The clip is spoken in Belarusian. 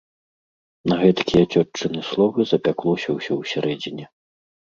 На гэткія цётчыны словы запяклося ўсё ўсярэдзіне.